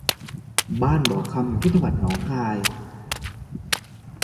บ้านบ่อคำอยู่ที่จังหวัดหนองคาย